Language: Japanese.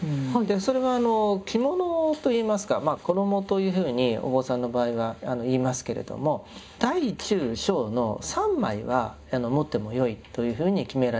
それは着物といいますか衣というふうにお坊さんの場合は言いますけれども大中小の３枚は持ってもよいというふうに決められていたんです。